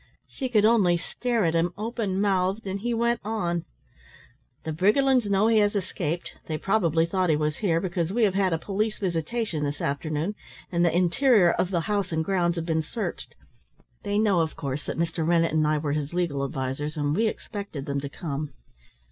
She could only stare at him open mouthed, and he went on. "The Briggerlands know he has escaped; they probably thought he was here, because we have had a police visitation this afternoon, and the interior of the house and grounds have been searched. They know, of course, that Mr. Rennett and I were his legal advisers, and we expected them to come.